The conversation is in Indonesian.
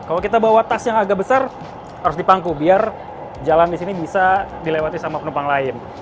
kalau kita bawa tas yang agak besar harus dipangku biar jalan di sini bisa dilewati sama penumpang lain